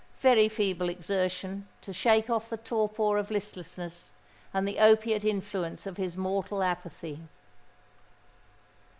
very feeble exertion to shake off the torpor of listlessness and the opiate influence of his mortal apathy.